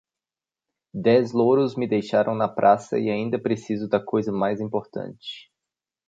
Dez louros me deixaram na praça e ainda preciso da coisa mais importante.